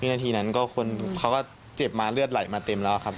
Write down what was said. นาทีนั้นก็คนเขาก็เจ็บมาเลือดไหลมาเต็มแล้วครับ